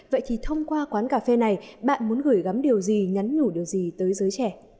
vậy thì thông qua quán cà phê này bạn muốn gửi gắm điều gì nhắn nhủ điều gì tới giới trẻ